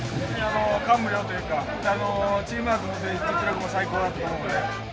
感無量というか、チームワークも実力も最高だと思うので。